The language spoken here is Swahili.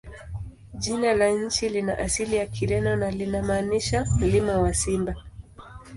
Jina la nchi lina asili ya Kireno na linamaanisha "Mlima wa Simba".